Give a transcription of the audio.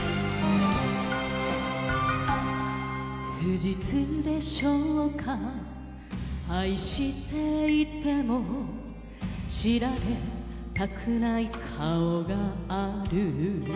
「不実でしょうか愛していても知られたくない顔がある」